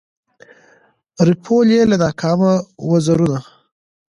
رپول یې له ناکامه وزرونه